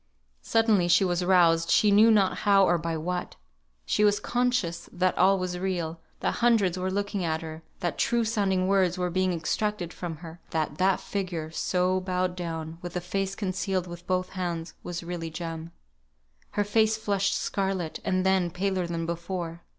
Suddenly she was roused, she knew not how or by what. She was conscious that all was real, that hundreds were looking at her, that true sounding words were being extracted from her; that that figure, so bowed down, with the face concealed by both hands, was really Jem. Her face flushed scarlet, and then paler than before.